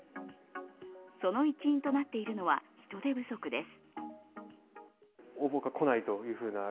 その一因となっているのは人手不足です。